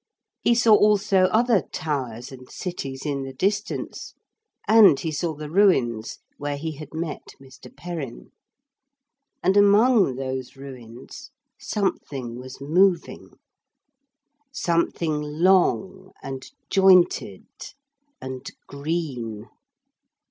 He saw also other towers and cities in the distance, and he saw the ruins where he had met Mr. Perrin. And among those ruins something was moving. Something long and jointed and green.